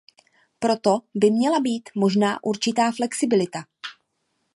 Proto by měla být možná určitá flexibilita.